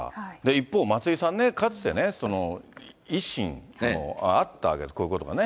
一方、松井さんね、かつて維新もあったわけです、こういうことがね。